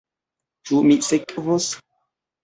Ĉu mi sekvos?